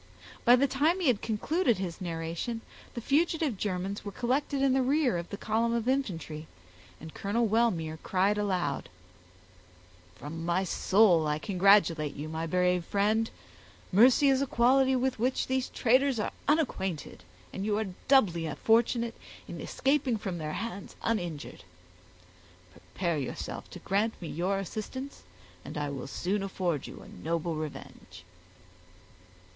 By the time he had concluded his narration, the fugitive Germans were collected in the rear of the column of infantry, and Colonel Wellmere cried aloud,— "From my soul I congratulate you, my brave friend; mercy is a quality with which these traitors are unacquainted, and you are doubly fortunate in escaping from their hands uninjured. Prepare yourself to grant me your assistance and I will soon afford you a noble revenge."